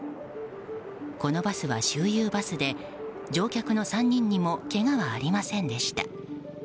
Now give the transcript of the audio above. このバスは周遊バスで乗客の３人にもけがはありませんでした。